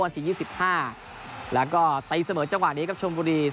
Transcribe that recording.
นาที๒๕แล้วก็ตีเสมอเจ้าหวานเนี่ยกับชนบุรี